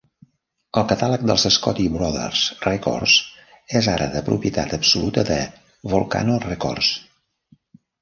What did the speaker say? El catàleg dels Scotti Brothers Records és ara de propietat absoluta de Volcano Records.